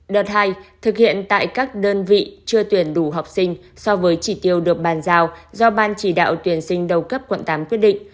đợt hai thực hiện tại các đơn vị chưa tuyển đủ học sinh so với chỉ tiêu được bàn giao do ban chỉ đạo tuyển sinh đầu cấp quận tám quyết định